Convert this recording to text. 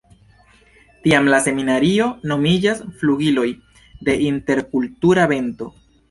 Tiam la seminario nomiĝas Flugiloj de interkultura vento.